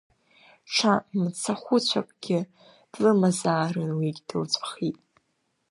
Ҽа мцахәыцәакгьы длымазаарын, уигь дылҵәахит.